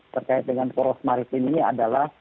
terkait dengan poros maritim ini adalah